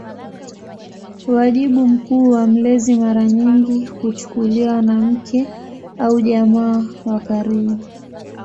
Wajibu mkuu wa mlezi mara nyingi kuchukuliwa na mke au jamaa wa karibu.